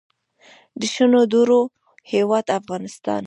د شنو درو هیواد افغانستان.